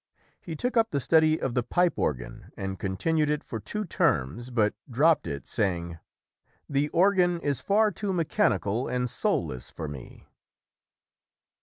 He took up the study of the pipe organ and continued it for two terms but dropped it, saying, "The organ is far too mechanical and soulless for me".